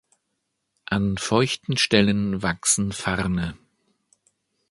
An feuchten Stellen wachsen Farne.